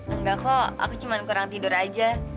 enggak kok aku cuma kurang tidur aja